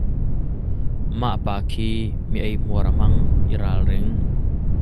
Mah pa khi mi ei hmuar a hmang, i ralring!